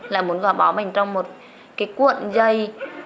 lại muốn gò bó mình trong một cái cuộn giày